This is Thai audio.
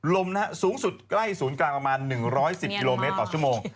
สูงสุดใกล้ศูนย์กลางประมาณ๑๑๐กิโลเมตรต่อชั่วโมง